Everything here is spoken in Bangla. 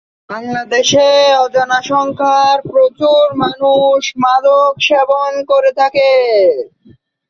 বাংলাদেশে অজানা সংখ্যার প্রচুর মানুষ মাদক সেবন করে থাকে।